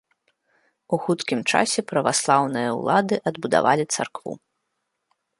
У хуткім часе праваслаўныя ўлады адбудавалі царкву.